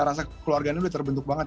rasa keluarganya udah terbentuk banget